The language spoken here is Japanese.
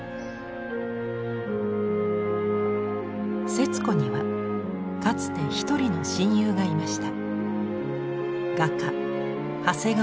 節子にはかつて一人の親友がいました。